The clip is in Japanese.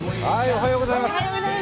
おはようございます。